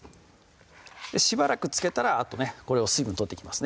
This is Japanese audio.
しばらくつけたらあとねこれを水分取っていきますね